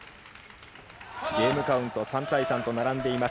ゲームカウント３対３と並んでいます。